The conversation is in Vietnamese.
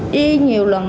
đi nhiều lần